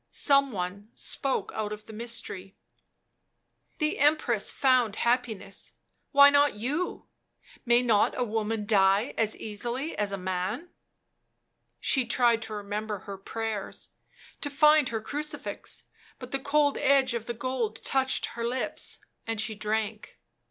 Some one spoke out of the mystery. " The Empress found happiness — why not you? — may not a woman die as easily as a man?" She tried to remember her prayers, to find her crucifix ; but the cold edge of the gold touched her lips, and she drank.